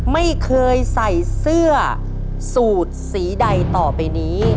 ไม่เคยใส่เสื้อสูตรสีใดต่อไปนี้